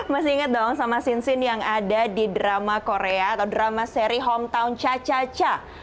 masih inget dong sama sin sin yang ada di drama korea atau drama seri hometown cha cha cha